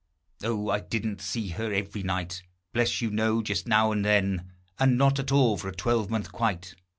Oh, I didn't see her every night: Bless you! no; just now and then, And not at all for a twelvemonth quite.